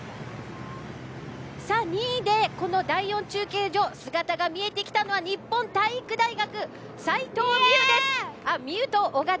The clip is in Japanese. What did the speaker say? ２位でこの第４中継所姿が見えてきたのは日本体育大学。